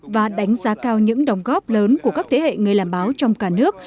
và đánh giá cao những đồng góp lớn của các thế hệ người làm báo trong cả nước